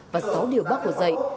và sáu điều bác hồ dạy